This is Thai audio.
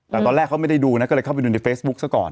แต่ตอนแรกเขาไม่ได้ดูนะก็เลยเข้าไปดูในเฟซบุ๊คซะก่อน